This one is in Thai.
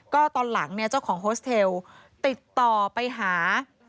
ก็ตอนหลังเนี่ยเจ้าของโฮสเทลติดต่อไปหา